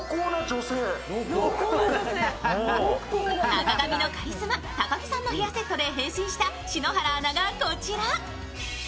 赤髪のカリスマ、高木さんのヘアセットで変身した篠原アナがこちら。